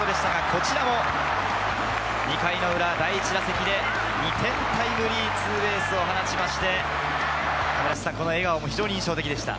こちらも２回裏、第１打席で２点タイムリーツーベースを放ちまして、この笑顔も印象的でした。